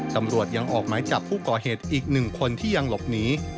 ตำรวจยังออกหมายจับผู้ก่อเหตุอีก๑คนที่ยังหลบหนี